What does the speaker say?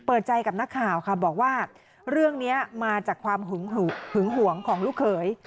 เปิดใจกับนักข่าวค่ะบอกว่าเรื่องนี้มาจากความหึงหึงห่วงของลูกเขย